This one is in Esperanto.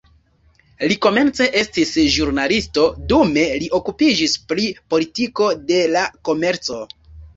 Li komence estis ĵurnalisto, dume li okupiĝis pri politiko de la komerco.